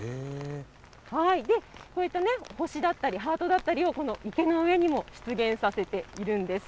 こういった星だったり、ハートだったりを、この池の上にも出現させているんです。